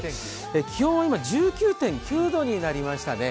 気温は今１９．９度になりましたね。